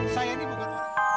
saya ini bukan